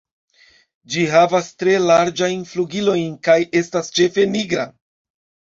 Ĝi havas tre larĝajn flugilojn kaj estas ĉefe nigra.